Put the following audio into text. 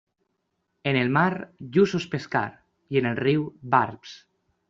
En el mar, lluços pescar; i en el riu, barbs.